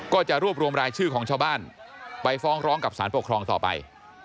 ก็จะรวบรวมรายชื่อของชาวบ้านไปฟ้องร้องกับสารปกครองต่อไป